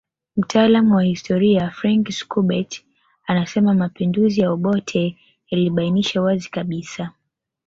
Mtaalamu wa historia Frank Schubert anasema mapinduzi ya Obote yalibainisha wazi kabisa